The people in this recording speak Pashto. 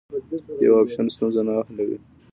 یو اپشن ستونزه نه حلوي.